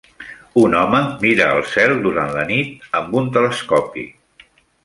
Un home mira el cel durant la nit amb un telescopi.